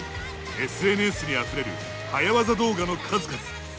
ＳＮＳにあふれる早ワザ動画の数々。